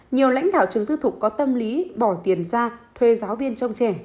nhiều lãnh đạo trường tư thục có tâm lý bỏ tiền ra thuê giáo viên trông trẻ